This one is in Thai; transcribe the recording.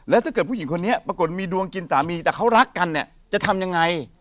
แล้วถ้าเกิดผู้หญิงคนนี้ปรากฏมีดวงกินสามีแต่เขารักกันเนี่ยจะทำยังไง